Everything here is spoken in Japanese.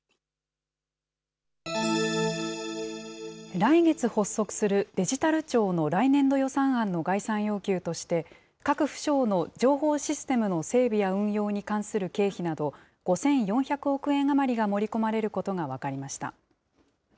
来月発足するデジタル庁の来年度予算案の概算要求として、各府省の情報システムの整備や運用に関する経費など、５４００億円余りが盛り込まれることが分かりました。